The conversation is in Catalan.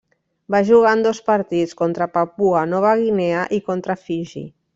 Va jugar en dos partits, contra Papua Nova Guinea i contra Fiji.